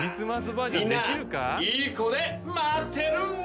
みんないい子で待ってるんだぜ！